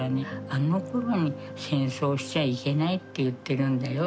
「あの頃に戦争しちゃいけないって言ってるんだよ」